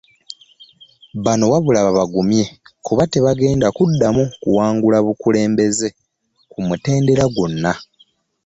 Bano wabula babagumye kuba tebagenda kuddamu kuwangula bukulembeze ku mutendera gwonna.